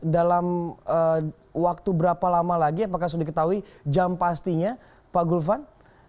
dalam waktu berapa lama lagi apakah sudah diketahui jam pastinya pak gulvan